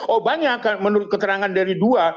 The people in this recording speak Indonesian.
oh banyak menurut keterangan dari dua